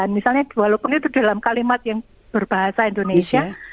misalnya walaupun itu dalam kalimat yang berbahasa indonesia